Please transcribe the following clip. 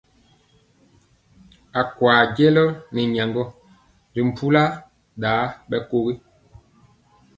A kwa jɛlɔ nɛ nyaŋgɔ ri mpula ɗa ɓɛkogi.